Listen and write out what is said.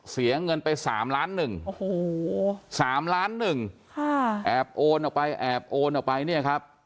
เสียเงินไปสามล้านหนึ่งโอ้โหสามล้านหนึ่งค่ะแอบโอนออกไปแอบโอนออกไปเนี่ยครับ